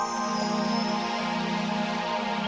maafkan hanyain tapi